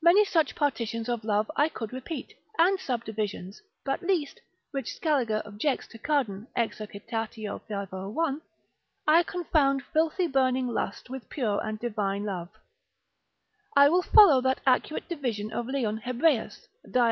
Many such partitions of love I could repeat, and subdivisions, but least (which Scaliger objects to Cardan, Exercitat. 501.) I confound filthy burning lust with pure and divine love, I will follow that accurate division of Leon Hebreus, dial.